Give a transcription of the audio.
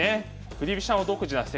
振り飛車の独自な世界。